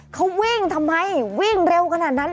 เขาวิ่งทำไมวิ่งเร็วขนาดนั้น